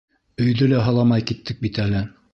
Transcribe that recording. Өйҙө лә һыламай киттек бит әле.